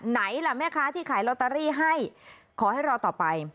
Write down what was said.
ไหนล่ะแม่ค้าที่ขายลอตเตอรี่ให้ขอให้รอต่อไป